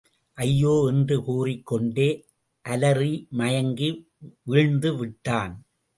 ஐயோ என்று கூறிக் கொண்டே அலறிமயங்கி வீழ்ந்துவிட்டான்.